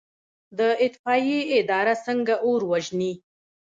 د اطفائیې اداره څنګه اور وژني؟